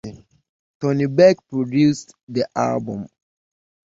Tony Berg produced the album.